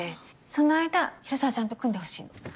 その間広沢ちゃんと組んでほしいの。